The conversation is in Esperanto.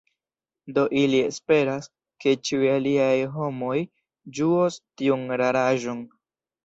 Do ili esperas, ke ĉiuj aliaj homoj ĝuos tiun raraĵon.